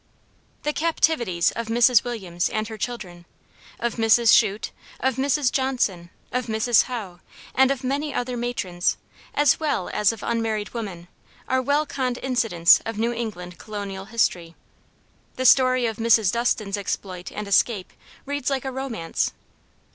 The captivities of Mrs. Williams and her children, of Mrs. Shute, of Mrs. Johnson, of Mrs. Howe, and of many other matrons; as well as of unmarried women, are well conned incidents of New England colonial history. The story of Mrs. Dustin's exploit and escape reads like a romance.